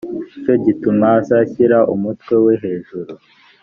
cyo gituma azashyira umutwe we hejuru